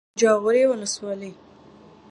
جاغوري ولسوالۍ